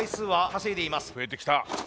増えてきた。